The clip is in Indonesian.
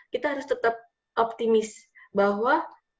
kita harus tetap optimis bahwa